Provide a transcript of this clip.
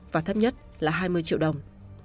và thấp nhất là hai mươi triệu đồng